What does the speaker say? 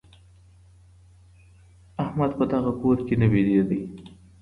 احمد په دغه کور کي نه بېدېدی.